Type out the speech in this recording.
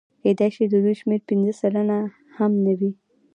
کېدای شي د دوی شمېره پنځه سلنه هم نه وي